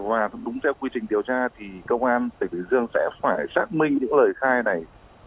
và đúng theo quy trình điều tra thì công an tỉnh bình dương sẽ phải xác minh những lời khai này